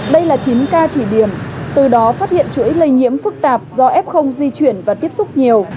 đây là chín ca chỉ điểm từ đó phát hiện chuỗi lây nhiễm phức tạp do f di chuyển và tiếp xúc nhiều